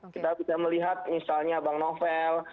kita bisa melihat misalnya bang novel